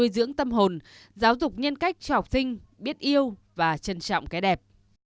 dưỡng tâm hồn giáo dục nhân cách cho học sinh biết yêu và trân trọng cái đẹp